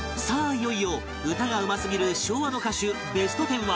いよいよ歌がうますぎる昭和の歌手ベストテンは大トリ